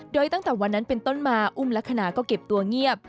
โดยตั้งแต่วันนั้นเป็นต้นมาอุ้มลักษณะก็เก็บตัวเงียบ